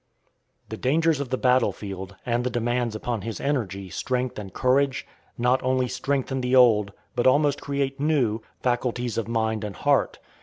The dangers of the battle field, and the demands upon his energy, strength, and courage, not only strengthen the old, but almost create new, faculties of mind and heart.